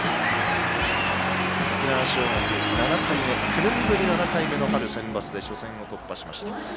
沖縄尚学、９年ぶり７回目の春センバツで初戦を突破しました。